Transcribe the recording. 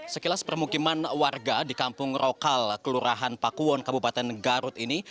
sekilas permukiman warga di kampung rokal kelurahan pakuwon kabupaten garut ini